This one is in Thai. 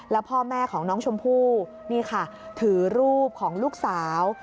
แล้วพ่อแม่ของน้องชมพู่นี่ค่ะถือรูปของลูกสาว